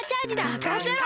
まかせろ！